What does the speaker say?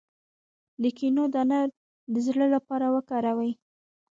د کینو دانه د زړه لپاره وکاروئ